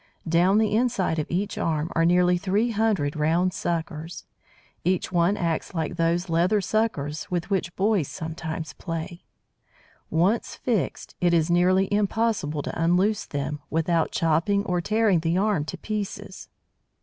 Down the inside of each arm are nearly three hundred round suckers. Each one acts like those leather suckers with which boys sometimes play. Once fixed, it is nearly impossible to unloose them, without chopping or tearing the arm to pieces.